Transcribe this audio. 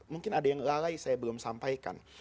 mungkin ada yang lalai saya belum sampaikan